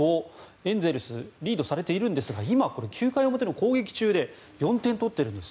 エンゼルスはリードされていますが今９回表の攻撃中で４点を取っているんです。